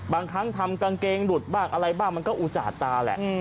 บางครั้งทำกางเกงหลุดบ้างอะไรบ้างมันก็อุจจาดตาแหละ